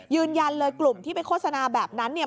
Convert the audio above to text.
ยืนยันเลยกลุ่มที่ไปโฆษณาแบบนั้นเนี่ย